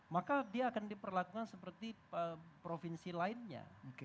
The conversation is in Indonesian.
maka dia akan diperlakukan seperti provinsi lainnya